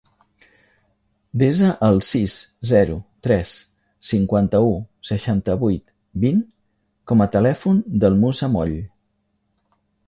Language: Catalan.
Desa el sis, zero, tres, cinquanta-u, seixanta-vuit, vint com a telèfon del Musa Moll.